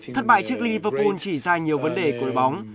thất bại trước liverpool chỉ ra nhiều vấn đề của bóng